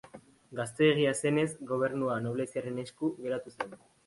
Gazteegia zenez, gobernua nobleziaren esku geratu zen.